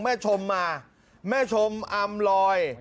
แม่ชมมาแม่ชมอำลอย